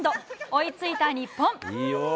追いついた日本。